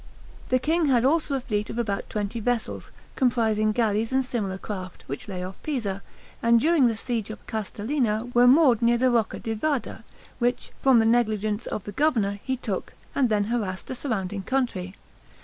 The king had also a fleet of about twenty vessels, comprising galleys and smaller craft, which lay off Pisa, and during the siege of Castellina were moored near the Rocca di Vada, which, from the negligence of the governor, he took, and then harassed the surrounding country.